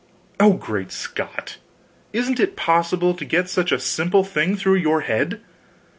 "Oh, great Scott, isn't it possible to get such a simple thing through your head?